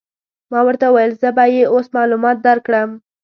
ما ورته وویل: زه به يې اوس معلومات در وکړم.